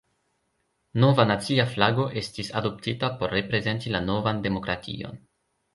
Nova nacia flago estis adoptita por reprezenti la novan demokration.